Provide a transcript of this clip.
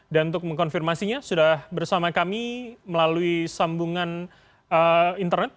dan untuk mengkonfirmasinya sudah bersama kami melalui sambungan internet